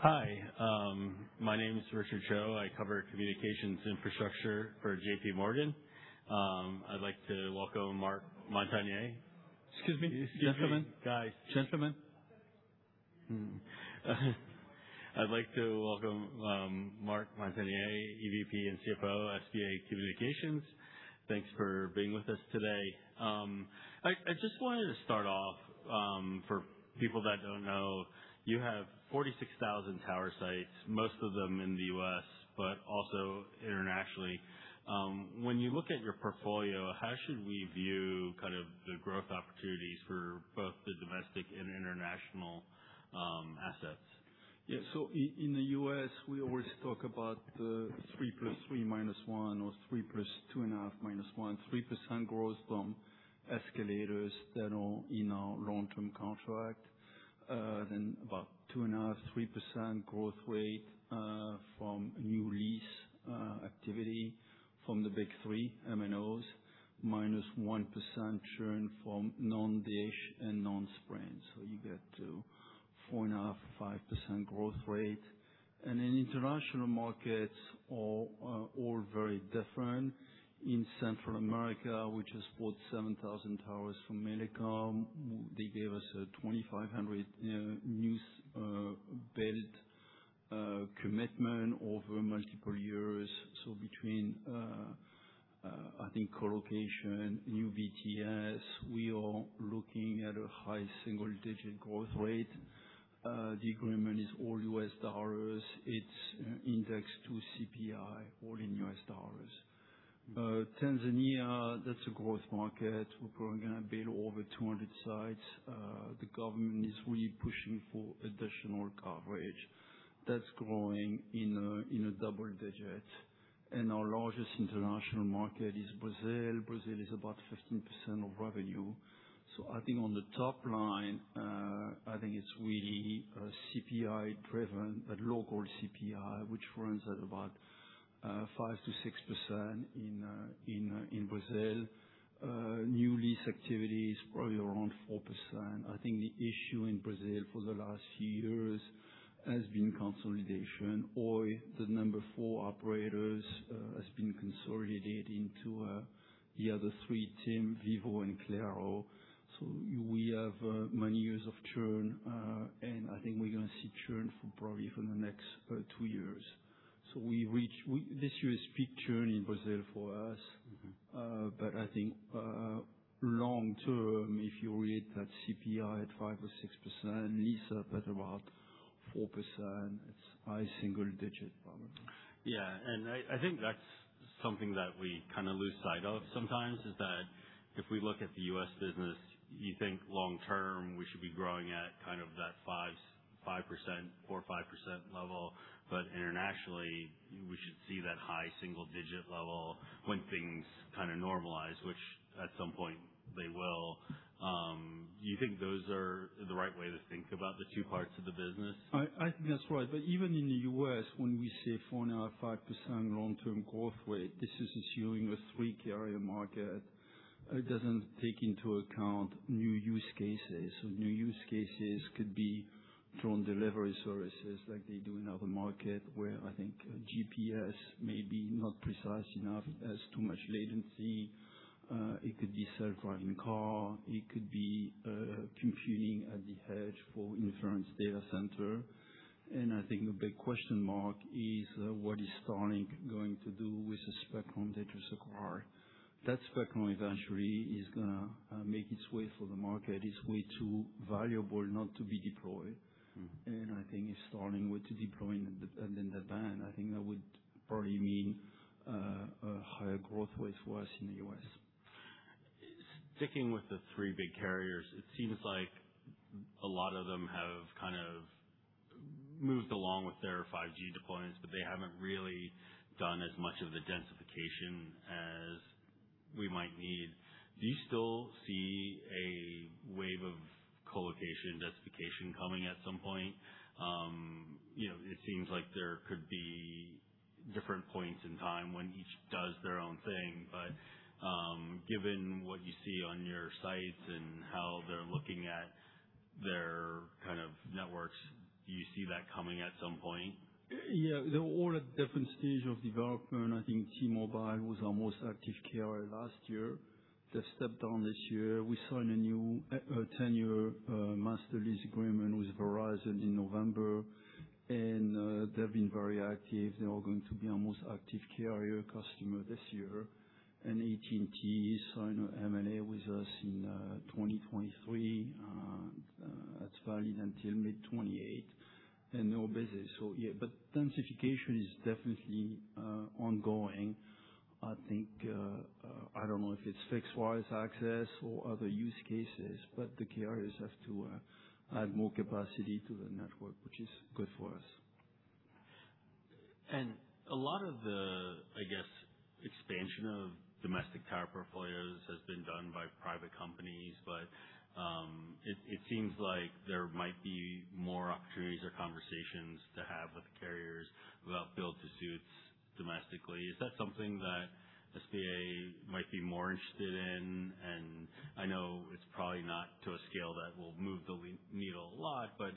Hi, my name is Richard Choe. I cover communications infrastructure for JPMorgan. I'd like to welcome Marc Montagner. Excuse me, gentlemen. Guys. Gentlemen. I'd like to welcome Marc Montagner, EVP and CFO, SBA Communications. Thanks for being with us today. I just wanted to start off, for people that don't know, you have 46,000 tower sites, most of them in the U.S., but also internationally. When you look at your portfolio, how should we view kind of the growth opportunities for both the domestic and international assets? Yeah. In the U.S., we always talk about the threee plus three minus one or three plus 2.5 minus one, 3% growth from escalators that are in our long-term contract. About 2.5%-3% growth rate from new lease activity from the big three MNOs, minus 1% churn from non-Dish and non-Sprint. You get to 4.5%-5% growth rate. In international markets are all very different. In Central America, we just bought 7,000 towers from América Móvil. They gave us a 2,500 new build commitment over multiple years. Between, I think, co-location, new BTS, we are looking at a high single-digit growth rate. The agreement is all U.S. dollars. It's indexed to CPI, all in U.S. dollars. Tanzania, that's a growth market. We're probably gonna build over 200 sites. The government is really pushing for additional coverage. That's growing in a double-digit. Our largest international market is Brazil. Brazil is about 15% of revenue. I think on the top line, I think it's really CPI driven, a local CPI, which runs at about 5%-6% in Brazil. New lease activity is probably around 4%. I think the issue in Brazil for the last years has been consolidation. Oi, the number four operators, has been consolidating to the other three, TIM, Vivo and Claro. We have many years of churn, and I think we're gonna see churn for probably for the next two years. This year is peak churn in Brazil for us. I think, long term, if you rate that CPI at 5% or 6%, lease up at about 4%, it's high single digit growth. Yeah. I think that's something that we kind of lose sight of sometimes, is that if we look at the U.S. business, you think long term, we should be growing at kind of that 4% or 5% level. Internationally, we should see that high single digit level when things kind of normalize, which at some point they will. Do you think those are the right way to think about the two parts of the business? I think that's right. Even in the U.S., when we say 4.5%-5% long-term growth rate, this is assuming a three-carrier market. It doesn't take into account new use cases. New use cases could be drone delivery services like they do in other market where I think GPS may be not precise enough, has too much latency. It could be self-driving car, it could be computing at the edge for inference data center. I think the big question mark is what is Starlink going to do with the spectrum that is acquired. That spectrum eventually is gonna make its way for the market. It's way too valuable not to be deployed. I think if Starlink were to deploy and then the band, I think that would probably mean a higher growth rate for us in the U.S. Sticking with the three big carriers, it seems like a lot of them have kind of moved along with their 5G deployments, but they haven't really done as much of the densification as we might need. Do you still see a wave of co-location densification coming at some point? You know, it seems like there could be different points in time when each does their own thing. Given what you see on your sites and how they're looking at their kind of networks, do you see that coming at some point? Yeah. They're all at different stage of development. I think T-Mobile was our most active carrier last year. They stepped down this year. We signed a new tenure master lease agreement with Verizon in November, they've been very active. They are going to be our most active carrier customer this year. AT&T signed an MLA with us in 2023, that's valid until mid 2028 in November. Yeah. Densification is definitely ongoing. I think, I don't know if it's fixed wireless access or other use cases, but the carriers have to add more capacity to the network, which is good for us. A lot of the, I guess, expansion of domestic tower portfolios has been done by private companies, but it seems like there might be more opportunities or conversations to have with the carriers about build-to-suit domestically. Is that something that SBA might be more interested in? I know it's probably not to a scale that will move the needle a lot, but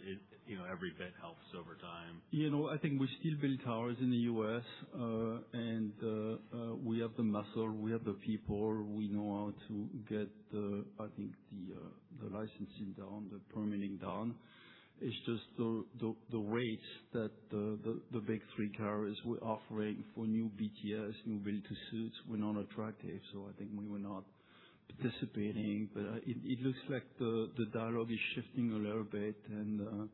you know, every bit helps over time. You know, I think we still build towers in the U.S., and we have the muscle, we have the people, we know how to get the licensing done, the permitting done. It's just the rates that the big three carriers were offering for new BTS, new build-to-suit were not attractive, so I think we were not participating. It looks like the dialogue is shifting a little bit and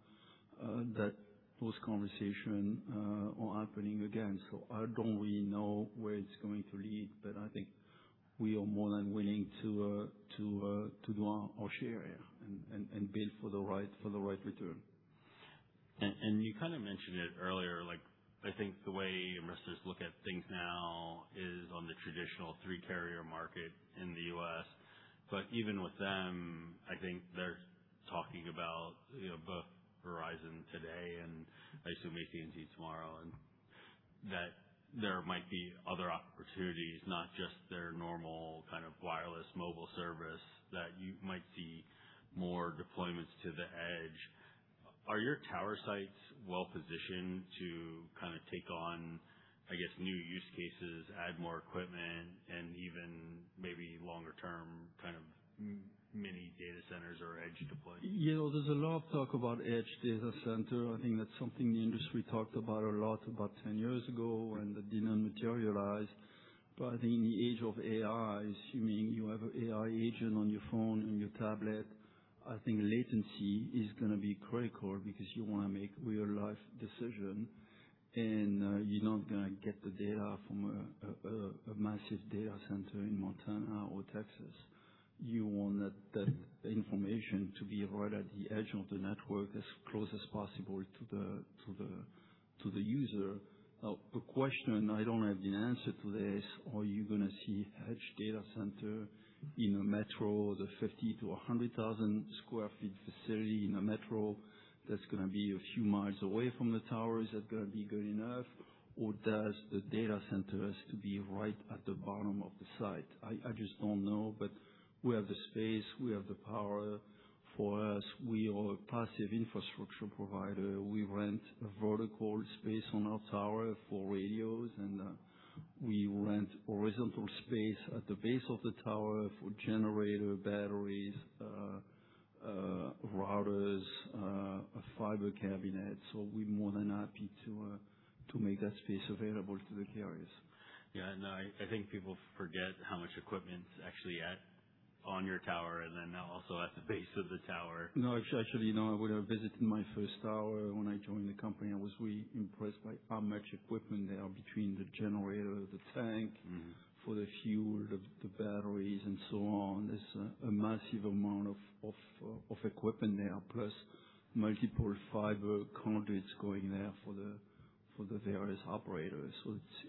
that those conversation are happening again. I don't really know where it's going to lead, but I think we are more than willing to do our share, yeah, and build for the right return. You kind of mentioned it earlier, like, I think the way investors look at things now is on the traditional three-carrier market in the U.S. Even with them, I think they're talking about, you know, both Verizon today and I assume AT&T tomorrow, and that there might be other opportunities, not just their normal kind of wireless mobile service, that you might see more deployments to the edge. Are your tower sites well-positioned to kinda take on, I guess, new use cases, add more equipment, and even maybe longer term kind of mini data centers or edge deployments? You know, there's a lot of talk about edge data center. I think that's something the industry talked about a lot about 10 years ago, that didn't materialize. In the age of AI, assuming you have a AI agent on your phone and your tablet, I think latency is gonna be critical because you wanna make real life decision, you're not gonna get the data from a massive data center in Montana or Texas. You want that information to be right at the edge of the network as close as possible to the user. The question, I don't have the answer to this, are you gonna see edge data center in a metro, the 50,000-100,000 sq ft facility in a metro that's gonna be a few miles away from the tower? Is that gonna be good enough or does the data center has to be right at the bottom of the site? I just don't know, but we have the space, we have the power. For us, we are a passive infrastructure provider. We rent vertical space on our tower for radios and we rent horizontal space at the base of the tower for generator batteries, routers, a fiber cabinet. We're more than happy to make that space available to the carriers. Yeah, no, I think people forget how much equipment's actually at, on your tower and then also at the base of the tower. No, actually, you know, when I visited my first tower when I joined the company, I was really impressed by how much equipment there are between the generator. -for the fuel, the batteries and so on. There's a massive amount of equipment there, plus multiple fiber conduits going there for the various operators.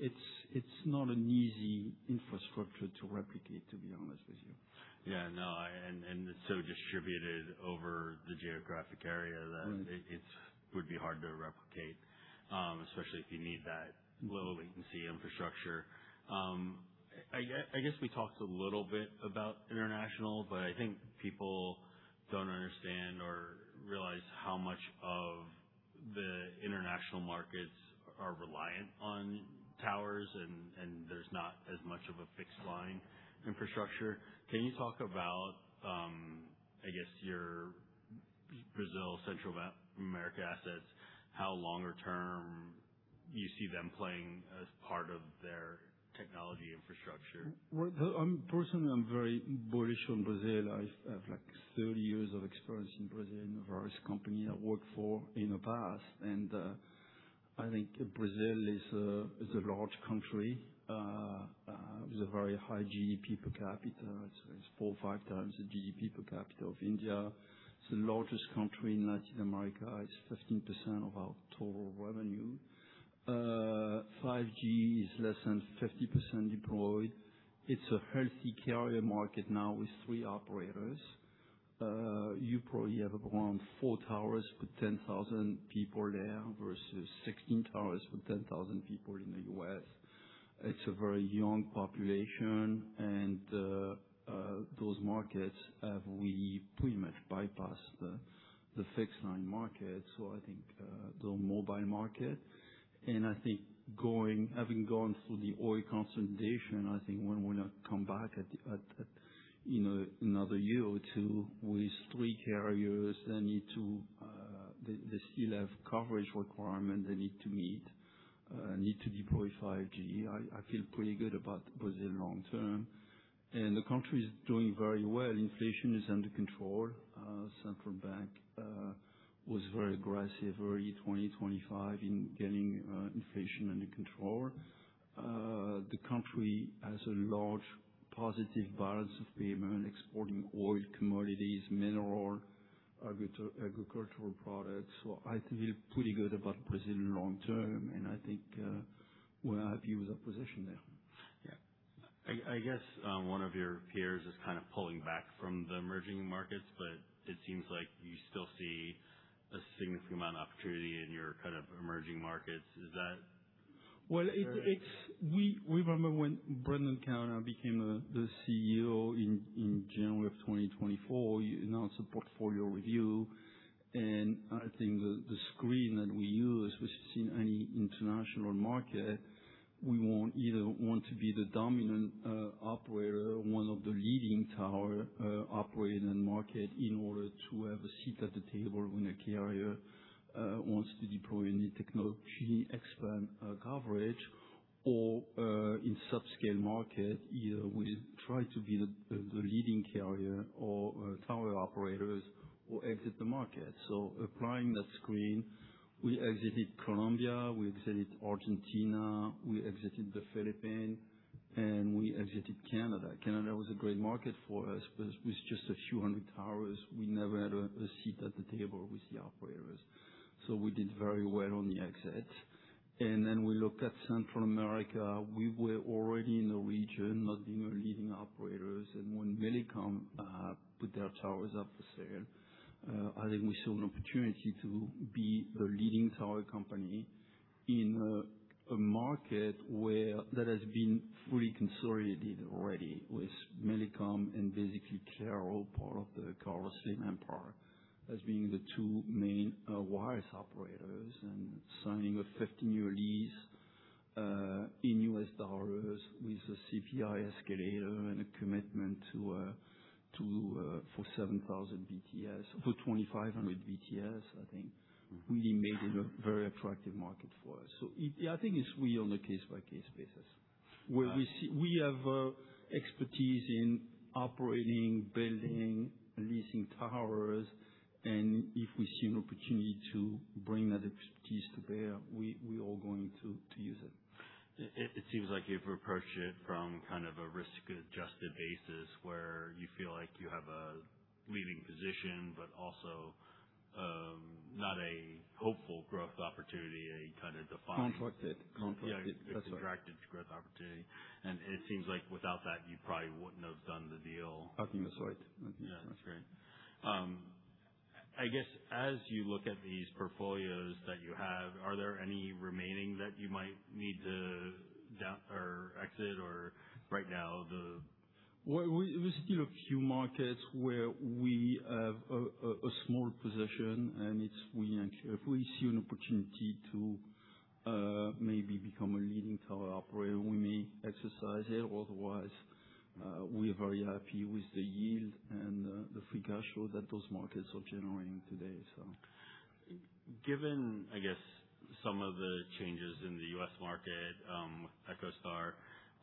It's not an easy infrastructure to replicate, to be honest with you. Yeah, no, it's so distributed over the geographic area. It would be hard to replicate, especially if you need that low latency infrastructure. I guess we talked a little bit about international, but I think people don't understand or realize how much of the international markets are reliant on towers and there's not as much of a fixed line infrastructure. Can you talk about, I guess your Brazil, Central America assets, how longer term you see them playing as part of their technology infrastructure? Well, I'm personally, I'm very bullish on Brazil. I have like 30 years of experience in Brazil in various company I worked for in the past. I think Brazil is a large country with a very high GDP per capita. It's four or 5x the GDP per capita of India. It's the largest country in Latin America. It's 15% of our total revenue, 5G is less than 50% deployed. It's a healthy carrier market now with three operators. You probably have around four towers per 10,000 people there versus 16 towers for 10,000 people in the U.S. It's a very young population and those markets have we pretty much bypassed the fixed line market. I think the mobile market, and I think having gone through the Oi consolidation, I think one will not come back at, you know, another year or two with three carriers. They need to, they still have coverage requirement they need to meet, need to deploy 5G. I feel pretty good about Brazil long term. The country is doing very well. Inflation is under control. Central bank was very aggressive early 2025 in getting inflation under control. The country has a large positive balance of payment, exporting oil, commodities, mineral, agricultural products. I feel pretty good about Brazil long term, and I think we're happy with our position there. Yeah. I guess, one of your peers is kind of pulling back from the emerging markets, but it seems like you still see a significant amount of opportunity in your kind of emerging markets. Is that fair? Well, we remember when Brendan Cavanagh became the CEO in January of 2024, he announced a portfolio review. I think the screen that we use, which is in any international market, we either want to be the dominant operator, one of the leading tower operator in the market in order to have a seat at the table when a carrier wants to deploy any technology, expand coverage, or in subscale market, either we try to be the leading carrier or tower operators or exit the market. Applying that screen, we exited Colombia, we exited Argentina, we exited the Philippines, and we exited Canada. Canada was a great market for us, but with just a few hundred towers, we never had a seat at the table with the operators. We did very well on the exit. We looked at Central America. We were already in the region, not being a leading operators. When Millicom put their towers up for sale, I think we saw an opportunity to be a leading tower company in a market where that has been fully consolidated already with Millicom and basically Claro, part of the Carlos Slim empire, as being the two main wireless operators and signing a 15-year lease in US dollars with a CPI escalator and a commitment to for 7,000 BTS for 2,500 BTS, I think, really made it a very attractive market for us. Yeah, I think it's really on a case-by-case basis. Where we see- Uh- We have expertise in operating, building, leasing towers, and if we see an opportunity to bring that expertise to bear, we are going to use it. It seems like you've approached it from kind of a risk-adjusted basis where you feel like you have a leading position, but also, not a hopeful growth opportunity. Contracted. Contracted. That's right. Yeah, a contracted growth opportunity. It seems like without that, you probably wouldn't have done the deal. I think that's right. I think that's right. Yeah. That's great. I guess as you look at these portfolios that you have, are there any remaining that you might need to down or exit? Well, we still have a few markets where we have a small position. If we see an opportunity to maybe become a leading tower operator, we may exercise it. Otherwise, we are very happy with the yield and the free cash flow that those markets are generating today. Given, I guess, some of the changes in the U.S. market, with EchoStar,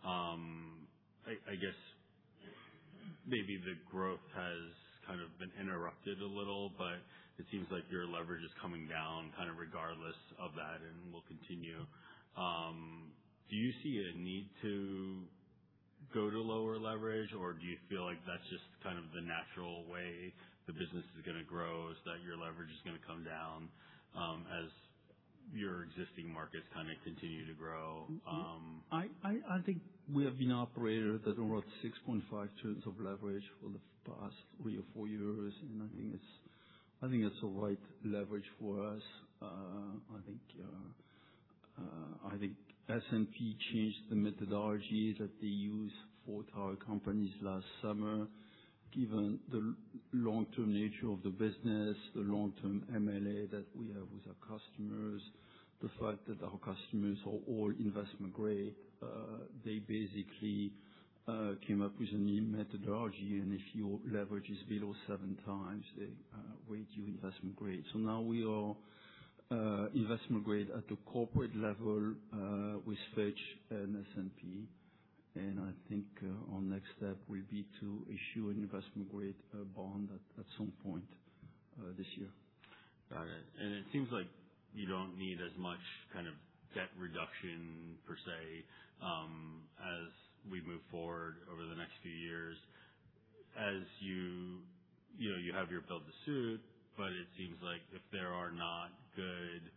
I guess maybe the growth has kind of been interrupted a little, but it seems like your leverage is coming down kind of regardless of that and will continue. Do you see a need to go to lower leverage, or do you feel like that's just kind of the natural way the business is gonna grow, is that your leverage is gonna come down, as your existing markets kind of continue to grow? I think we have been an operator that earned 6.5 times of leverage for the past three or four years, I think it's the right leverage for us. I think S&P changed the methodology that they use for tower companies last summer, given the long-term nature of the business, the long-term MLA that we have with our customers, the fact that our customers are all investment grade. They basically came up with a new methodology, and if your leverage is below seven times, they rate you investment grade. Now we are investment grade at the corporate level with Fitch and S&P. I think our next step will be to issue an investment grade bond at some point this year. Got it. It seems like you don't need as much kind of debt reduction per se, as we move forward over the next few years. As you know, you have your build-to-suit, it seems like if there are not good,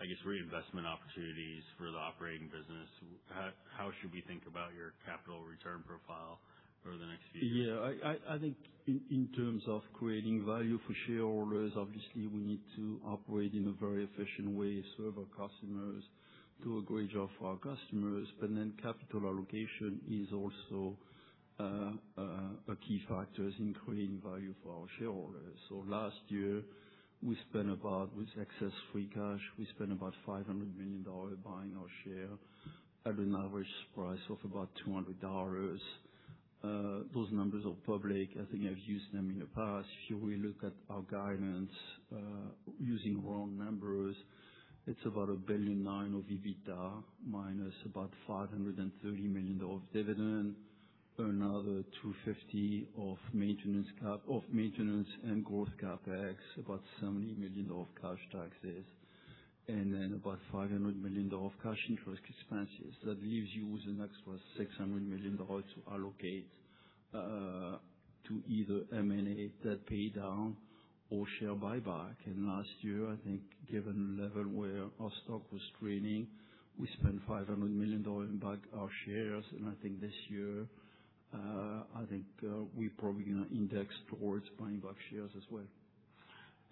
I guess, reinvestment opportunities for the operating business, how should we think about your capital return profile over the next few years? I think in terms of creating value for shareholders, obviously we need to operate in a very efficient way, serve our customers, do a great job for our customers, capital allocation is also a key factor in creating value for our shareholders. Last year, we spent about, with excess free cash, we spent about $500 million buying our share at an average price of about $200. Those numbers are public. I think I've used them in the past. Should we look at our guidance, using raw numbers, it's about $1.9 billion of EBITDA, minus about $530 million dividend. Another $250 million of maintenance and growth CapEx, about $70 million of cash taxes, about $500 million of cash interest expenses. That leaves you with an extra $600 million to allocate to either M&A debt pay down or share buyback. Last year, I think given the level where our stock was trading, we spent $500 million to buy our shares. I think this year, I think we're probably gonna index towards buying back shares as well.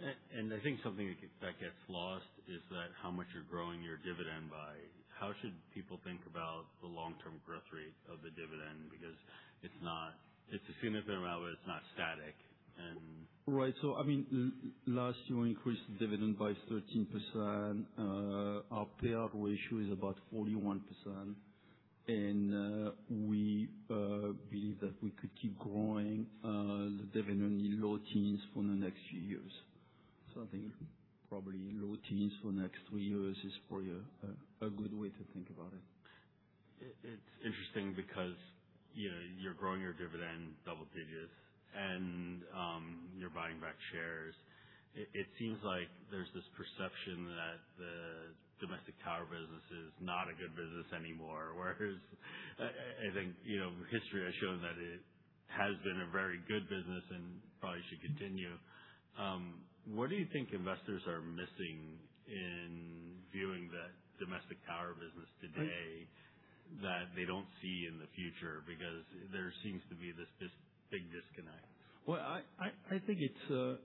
I think something that gets lost is that how much you're growing your dividend by. How should people think about the long-term growth rate of the dividend? Because it's a significant amount, but it's not static. Right. I mean, last year we increased the dividend by 13%. Our payout ratio is about 41%. We believe that we could keep growing the dividend in low teens for the next few years. I think probably low teens for next three years is probably a good way to think about it. It's interesting because, you know, you're growing your dividend double digits and you're buying back shares. It seems like there's this perception that the domestic tower business is not a good business anymore. Whereas, I think, you know, history has shown that it has been a very good business and probably should continue. What do you think investors are missing in viewing the domestic tower business today that they don't see in the future? Because there seems to be this big disconnect. Well, I think it's,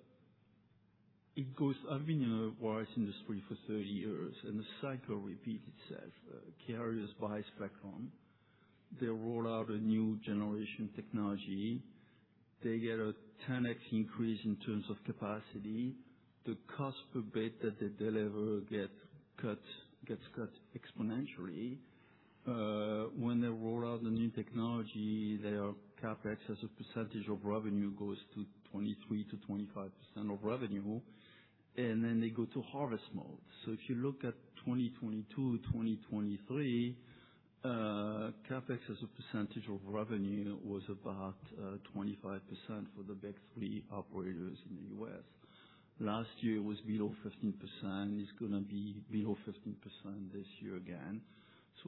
it goes I've been in the wireless industry for 30 years, the cycle repeats itself. Carriers buy spectrum, they roll out a new generation technology, they get a 10x increase in terms of capacity. The cost per bit that they deliver gets cut exponentially. When they roll out the new technology, their CapEx as a percentage of revenue goes to 23%-25% of revenue, then they go to harvest mode. If you look at 2022, 2023, CapEx as a percentage of revenue was about 25% for the big three operators in the U.S. Last year it was below 15%. It's gonna be below 15% this year again.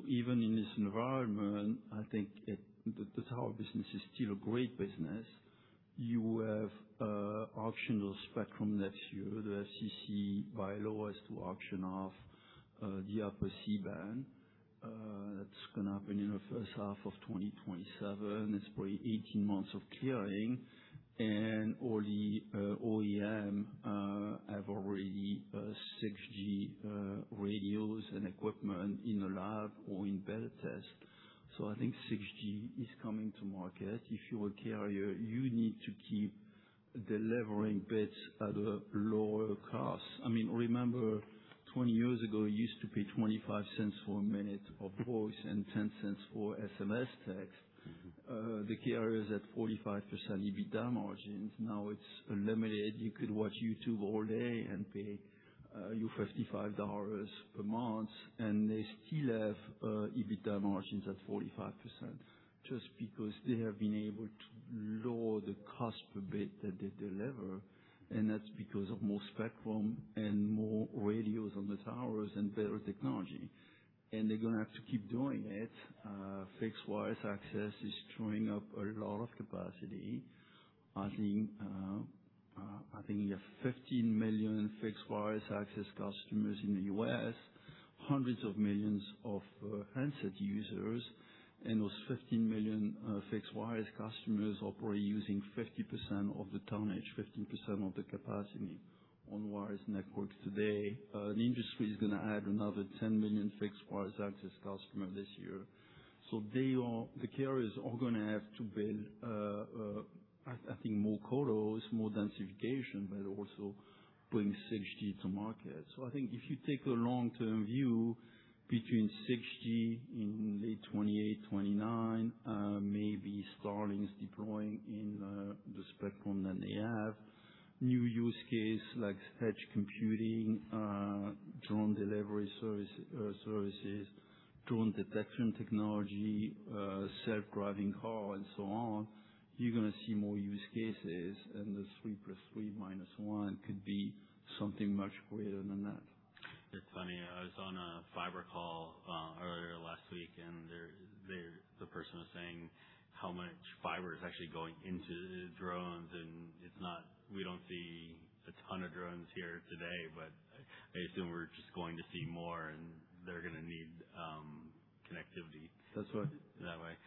Even in this environment, I think the tower business is still a great business. You have optional spectrum next year. The FCC by law has to auction off the upper C-band. That's going to happen in the first half of 2027. It's probably 18 months of clearing. All the OEM have already 6G radios and equipment in the lab or in beta test. I think 6G is coming to market. If you're a carrier, you need to keep delivering bits at a lower cost. I mean, remember 20 years ago, you used to pay $0.25 for a minute of voice and $0.10 for SMS text. The carrier is at 45% EBITDA margins, now it's unlimited. You could watch YouTube all day and pay $55 per month, and they still have EBITDA margins at 45% just because they have been able to lower the cost per bit that they deliver, and that's because of more spectrum and more radios on the towers and better technology. They're gonna have to keep doing it. Fixed wireless access is chewing up a lot of capacity. I think you have 15 million fixed wireless access customers in the U.S., hundreds of millions of handset users, and those 15 million fixed wireless customers are probably using 50% of the tonnage, 15% of the capacity on wireless networks today. The industry is gonna add another 10 million fixed wireless access customer this year. The carriers are gonna have to build, I think more colos, more densification, but also bring 6G to market. I think if you take a long-term view between 6G in late 2028, 2029, maybe Starlink's deploying in the spectrum that they have. New use case like edge computing, drone delivery services, drone detection technology, self-driving car and so on. You're gonna see more use cases and the three plus three minus one could be something much greater than that. It's funny, I was on a fiber call earlier last week. The person was saying how much fiber is actually going into drones. We don't see a ton of drones here today, but I assume we're just going to see more and they're gonna need connectivity. That's right. that way.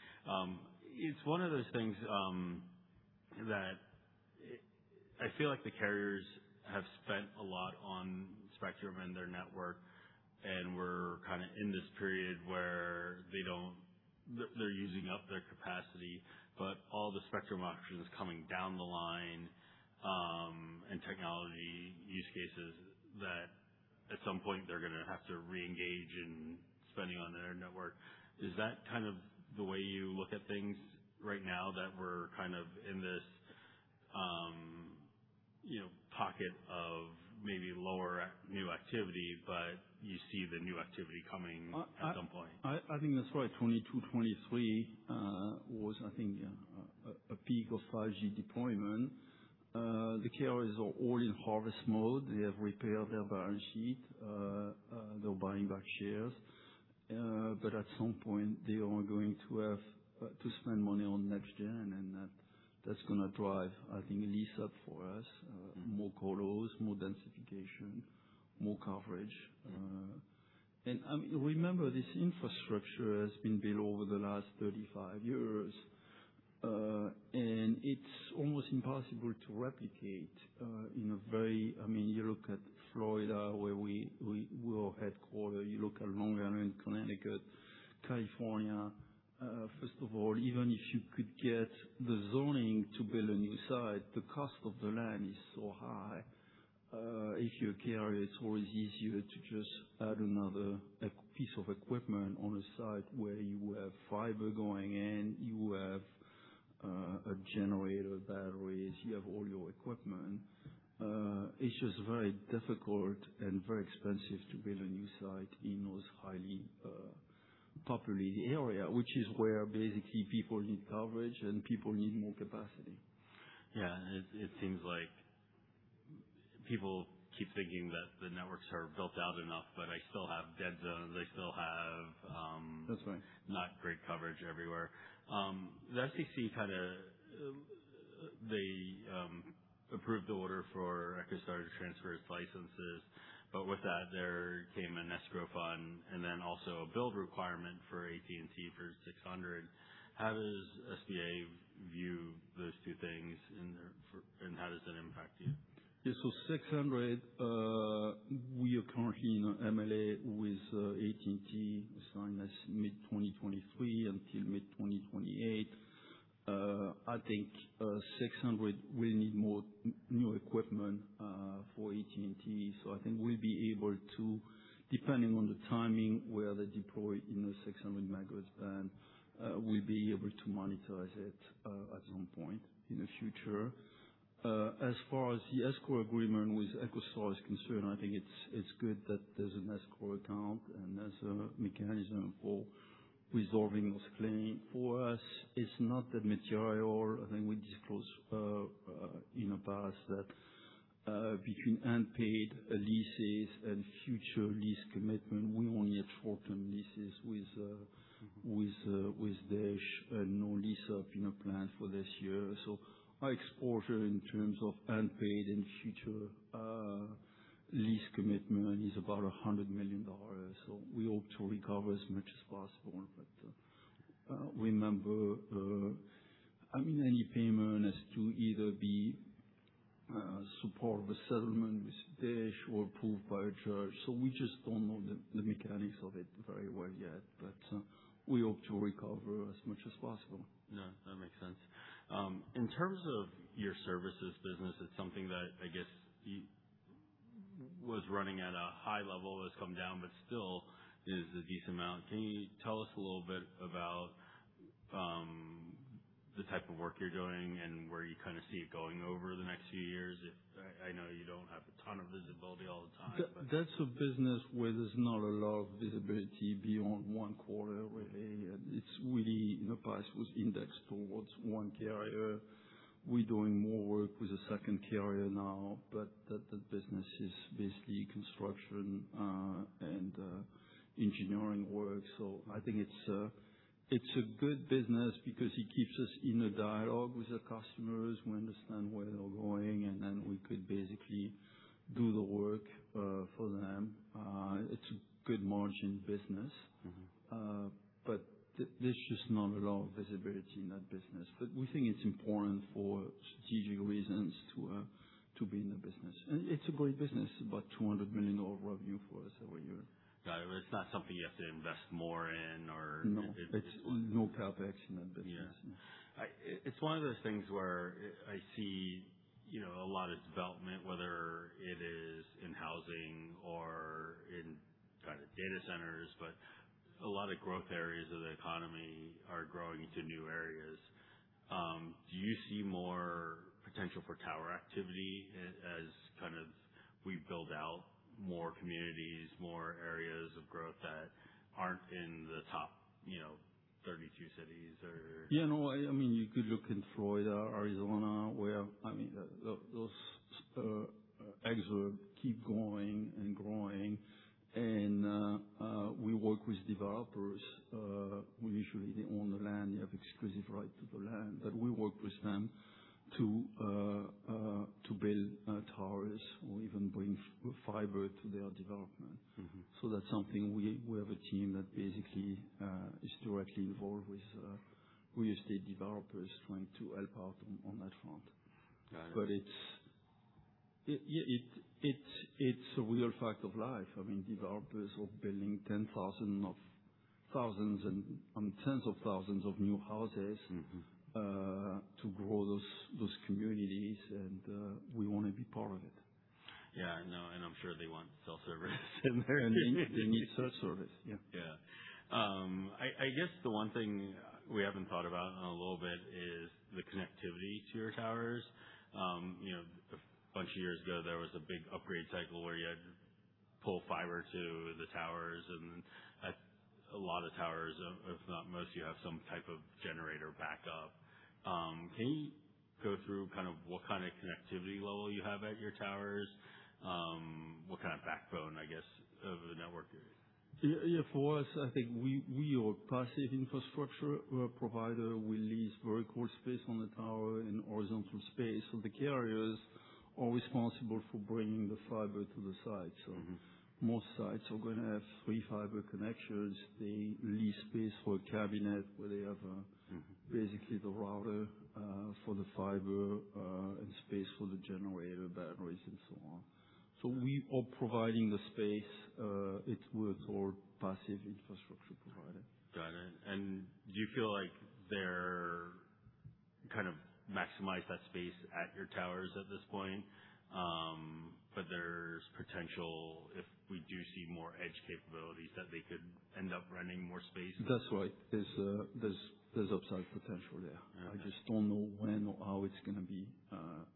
It's one of those things that I feel like the carriers have spent a lot on spectrum and their network and we're kinda in this period where they're using up their capacity, but all the spectrum options coming down the line, and technology use cases that at some point they're gonna have to reengage in spending on their network. Is that kind of the way you look at things right now that we're kind of in this, you know, pocket of maybe lower new activity, but you see the new activity coming at some point. I think that's right, 22, 23 was I think a peak of 5G deployment. The carriers are all in harvest mode. They have repaired their balance sheet. They're buying back shares. At some point, they are going to have to spend money on next gen, and then that's gonna drive, I think, a lease up for us, more colos, more densification, more coverage. I mean, remember, this infrastructure has been built over the last 35 years, and it's almost impossible to replicate, in a very I mean, you look at Florida, where we are headquartered, you look at Long Island, Connecticut, California. First of all, even if you could get the zoning to build a new site, the cost of the land is so high. If you're a carrier, it's always easier to just add another piece of equipment on a site where you have fiber going in, you have a generator, batteries, you have all your equipment. It's just very difficult and very expensive to build a new site in those highly populated area, which is where basically people need coverage and people need more capacity. Yeah. It seems like people keep thinking that the networks are built out enough, but I still have dead zones. I still have- That's right. Not great coverage everywhere. The FCC kind of approved the order for EchoStar to transfer its licenses, but with that there came an escrow fund and then also a build requirement for AT&T for 600 MHz. How does SBA view those two things and how does that impact you? Yeah. 600, we are currently in a MLA with AT&T signed as mid-2023 until mid-2028. I think 600, we need more new equipment for AT&T. I think we'll be able to, depending on the timing, where they deploy in the 600 MHz band, we'll be able to monetize it at some point in the future. As far as the escrow agreement with EchoStar is concerned, I think it's good that there's an escrow account and there's a mechanism for resolving those claims. For us, it's not that material. I think we disclosed in the past that between unpaid leases and future lease commitment, we only had short-term leases with Dish and no lease up in our plan for this year. Our exposure in terms of unpaid and future lease commitment is about $100 million. We hope to recover as much as possible. Remember, I mean, any payment has to either be support the settlement with Dish or approved by a judge. We just don't know the mechanics of it very well yet, but we hope to recover as much as possible. No, that makes sense. In terms of your services business, it's something that I guess was running at a high level, has come down, but still is a decent amount. Can you tell us a little bit about the type of work you're doing and where you kind of see it going over the next few years? If I know you don't have a ton of visibility all the time. That's a business where there's not a lot of visibility beyond one quarter really. It's really in the past was indexed towards one carrier. We're doing more work with a second carrier now, but that business is basically construction and engineering work. I think it's a good business because it keeps us in a dialogue with the customers. We understand where they're going, we could basically do the work for them. It's a good margin business. There's just not a lot of visibility in that business. We think it's important for strategic reasons to be in the business. It's a great business, about $200 million of revenue for us every year. Got it. It's not something you have to invest more in. No. It, it- It's no CapEx in that business. Yeah. It's one of those things where I see, you know, a lot of development, whether it is in housing or in kind of data centers, but a lot of growth areas of the economy are growing into new areas. Do you see more potential for tower activity as kind of we build out more communities, more areas of growth that aren't in the top, you know, 32 cities? Yeah. No, I mean, you could look in Florida, Arizona, where, I mean, the, those exits keep going and growing. We work with developers. We usually, they own the land, they have exclusive right to the land. We work with them to build towers or even bring fiber to their development. That's something we have a team that basically is directly involved with real estate developers trying to help out on that front. Got it. It's a real fact of life. I mean, developers are building tens of thousands of new houses, to grow those communities and, we wanna be part of it. Yeah, no, I'm sure they want cell service in there. They need cell service, yeah. I guess the one thing we haven't thought about a little bit is the connectivity to your towers. You know, a bunch of years ago, there was a big upgrade cycle where you had to pull fiber to the towers and at a lot of towers, if not most, you have some type of generator backup. Can you go through kind of what kind of connectivity level you have at your towers? What kind of backbone, I guess, of the network there is. Yeah, yeah. For us, I think we are passive infrastructure. We're a provider. We lease very cool space on the tower and horizontal space. The carriers are responsible for bringing the fiber to the site. Most sites are gonna have three fiber connections. They lease space for a cabinet where they have basically the router, for the fiber, and space for the generator batteries and so on. Yeah. We are providing the space. It's with our passive infrastructure provider. Got it. Do you feel like they're kind of maximize that space at your towers at this point? There's potential if we do see more edge capabilities that they could end up renting more space. That's right. There's upside potential there. All right. I just don't know when or how it's gonna be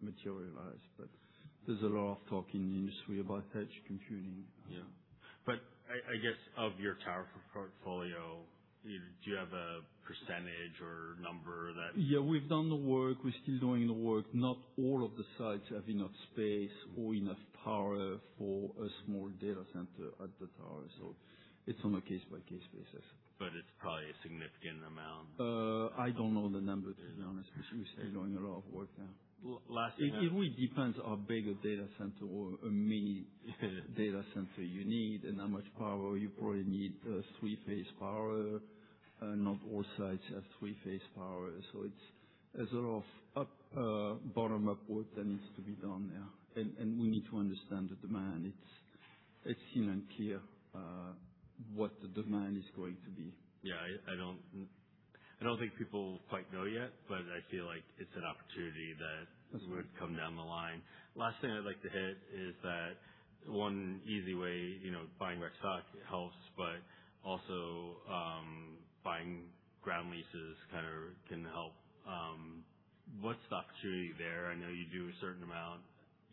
materialized, but there's a lot of talk in the industry about edge computing. Yeah. I guess of your tower portfolio, do you have a percentage or number? Yeah, we've done the work. We're still doing the work. Not all of the sites have enough space or enough power for a small data center at the tower, so it's on a case-by-case basis. It's probably a significant amount. I don't know the number, to be honest with you. Okay. We're still doing a lot of work there. Last thing. It really depends how big a data center or a mini-. Yeah Data center you need and how much power. You probably need three-phase power. Not all sites have three-phase power, so it's a sort of up, bottom-up work that needs to be done there. We need to understand the demand. It's unclear what the demand is going to be. Yeah, I don't think people quite know yet, but I feel like it's an opportunity would come down the line. Last thing I'd like to hit is that one easy way, you know, buying back stock helps, but also, buying ground leases kind of can help. What stock share are you there? I know you do a certain amount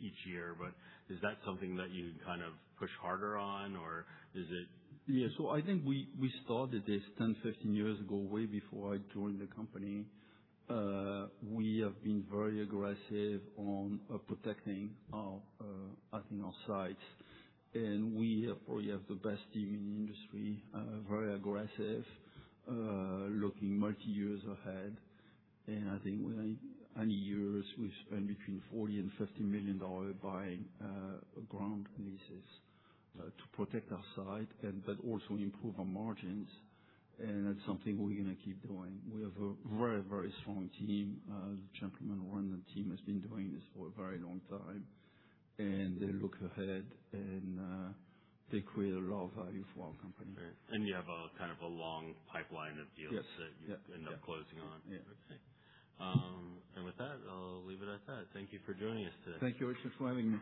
each year, but is that something that you kind of push harder on or is it? Yeah. I think we started this 10, 15 years ago, way before I joined the company. We have been very aggressive on protecting our, I think our sites. We probably have the best team in the industry, very aggressive, looking multi-years ahead. I think we, annually, we spend between $40 million and $50 million buying ground leases to protect our site and also improve our margins. That's something we're going to keep doing. We have a very, very strong team. The gentleman running the team has been doing this for a very long time, and they look ahead and they create a lot of value for our company. Great. You have a, kind of, a long pipeline of deals. Yes. Yep, yeah. That you end up closing on. Yeah. Okay. With that, I'll leave it at that. Thank you for joining us today. Thank you. Thanks for having me.